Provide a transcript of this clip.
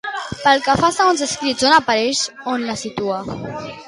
Pel que fa al segon escrit on apareix, a on la situa?